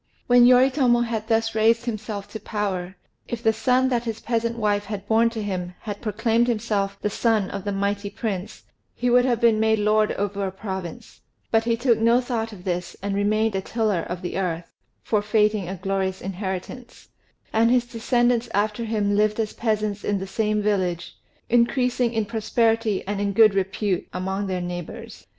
When Yoritomo had thus raised himself to power, if the son that his peasant wife had born to him had proclaimed himself the son of the mighty prince, he would have been made lord over a province; but he took no thought of this, and remained a tiller of the earth, forfeiting a glorious inheritance; and his descendants after him lived as peasants in the same village, increasing in prosperity and in good repute among their neighbours.